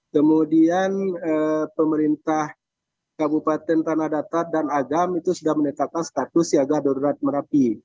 kemudian pemerintah kabupaten tanah datar dan agam itu sudah menetapkan status siaga darurat merapi